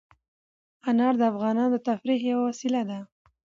انار د افغانانو د تفریح یوه وسیله ده.